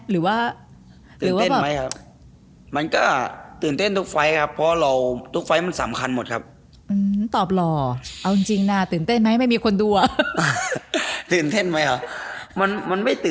เหมือนมันเล่าใจไปอีกแบบ